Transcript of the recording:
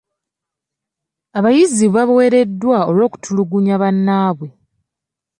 Abayizi baawereddwa olw'okutulugunya abannaabwe.